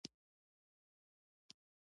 موږ د غرونو شنو ځايونو ته ولاړو.